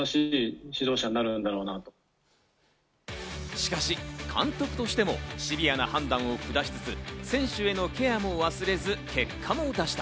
しかし、監督としてもシビアな判断を下しつつ、選手へのケアも忘れず結果も出した。